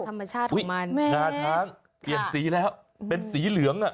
อุ้ยหน้าช้างเปลี่ยนสีแล้วเป็นสีเหลือง